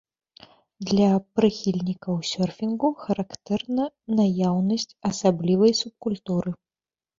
Для прыхільнікаў сёрфінгу характэрна наяўнасць асаблівай субкультуры.